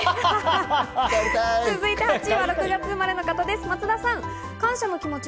続いて、８位は６月生まれの方、松田さん。